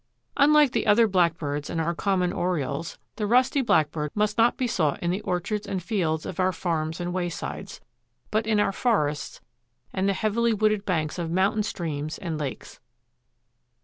_) Unlike the other blackbirds and our common orioles the Rusty Blackbird must not be sought in the orchards and fields of our farms and waysides, but in our forests and the heavily wooded banks of mountain streams and lakes.